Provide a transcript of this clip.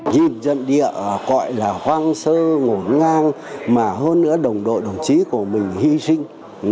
nhìn dân địa gọi là hoang sơ ngổn ngang mà hơn nữa đồng đội đồng chí của mình hy sinh